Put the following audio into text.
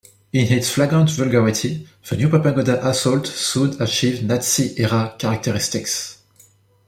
In its flagrant vulgarity, the new propaganda assault soon achieved Nazi-era characteristics.